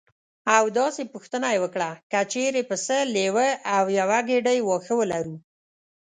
او داسې پوښتنه یې وکړه: که چېرې پسه لیوه او یوه ګېډۍ واښه ولرو.